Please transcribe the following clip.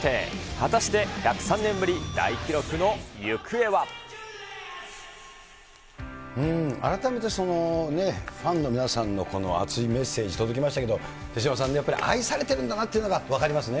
果たして１０３年ぶり、大記録の改めて、そのね、ファンの皆さんのこの熱いメッセージ届きましたけど、手嶋さんね、やっぱり愛されてるんだなっていうのが分かりますね。